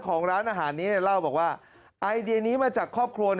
ของร้านอาหารนี้เล่าบอกว่าไอเดียนี้มาจากครอบครัว